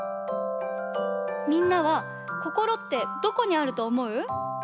みんなはこころってどこにあるとおもう？